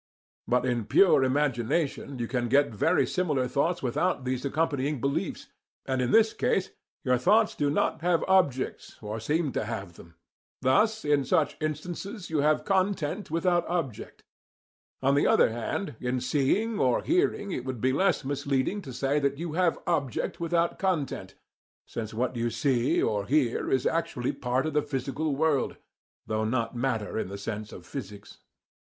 But in pure imagination you can get very similar thoughts without these accompanying beliefs; and in this case your thoughts do not have objects or seem to have them. Thus in such instances you have content without object. On the other hand, in seeing or hearing it would be less misleading to say that you have object without content, since what you see or hear is actually part of the physical world, though not matter in the sense of physics.